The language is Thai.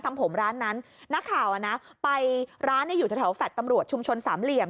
ทำผมร้านนั้นนักข่าวอ่ะนะไปร้านเนี่ยอยู่แถวแฟลต์ตำรวจชุมชนสามเหลี่ยม